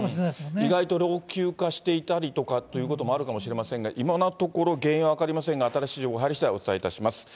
意外と老朽化していたりということもあるかもしれませんが、今の原因は分かりませんが、新しい情報が入りしだいお伝えいたします。